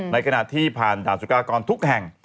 ในขณะที่ผ่านด่านสุกากรทุกแห่ง